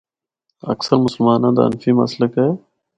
اکثر مسلماناں دا حنفی مسلک ہے۔